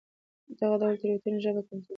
دغه ډول تېروتنې ژبه کمزورې کوي.